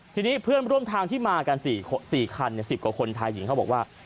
ทีนี้เพื่อนร่วมทางที่มากัน๔คัน๑๐กว่าคนชายหญิงเขาบอกว่า